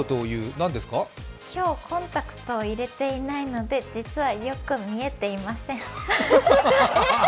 今日、コンタクトを入れていないので実はよく見えていません。